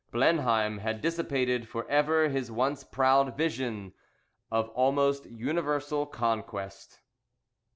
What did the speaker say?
Blenheim had dissipated for ever his once proud visions of almost universal conquest.